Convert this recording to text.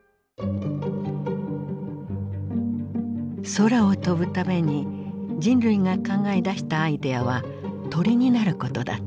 空を飛ぶために人類が考え出したアイデアは鳥になることだった。